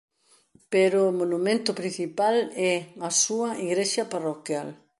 Pero o monumento principal é a súa igrexa parroquial.